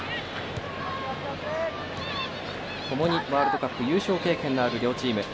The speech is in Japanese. ともにワールドカップ優勝経験のある両チーム。